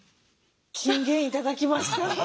金言頂きました。